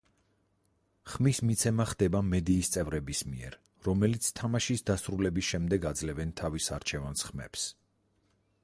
ხმის მიცემა ხდება მედიის წევრების მიერ, რომელიც თამაშის დასრულების შემდეგ აძლევენ თავის არჩევანს ხმებს.